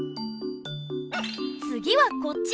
つぎはこっち！